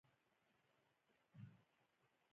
د محصول نوښت د مشتری علاقه لوړوي.